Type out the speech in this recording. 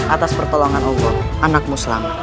atas pertolongan allah anakmu selamat